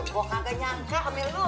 kok enggak nyangka emel lu